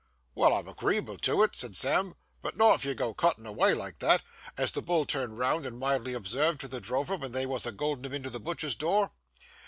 'Well, I'm agreeable to do it,' said Sam, 'but not if you go cuttin' away like that, as the bull turned round and mildly observed to the drover ven they wos a goadin' him into the butcher's door.